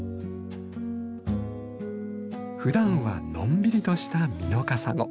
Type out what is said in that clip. ふだんはのんびりとしたミノカサゴ。